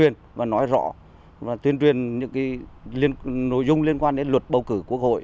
nội dung liên quan đến luật bầu cử quốc hội